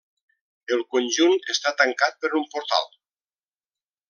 El conjunt està tancat per un portal.